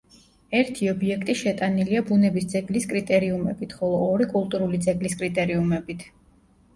ერთი ობიექტი შეტანილია ბუნები ძეგლის კრიტერიუმებით, ხოლო ორი კულტურული ძეგლის კრიტერიუმებით.